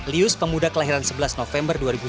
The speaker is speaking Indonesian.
lius pemuda kelahiran sebelas november dua ribu satu